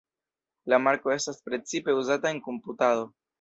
La marko estas precipe uzata en komputado.